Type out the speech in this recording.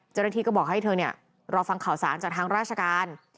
เจ้าหน้าที่ก็บอกให้เธอเนี่ยรอฟังข่าวสารจากทางราชการ